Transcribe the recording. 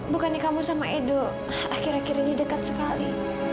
bukannya kamu sama edo akhir akhir ini dekat sekali